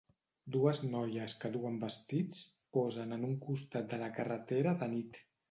Dues noies que duen vestits posen en un costat de la carretera de nit.